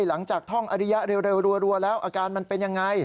หลังจากท่องอริยะเร็วรัวแล้วอาการมันเป็นยังไง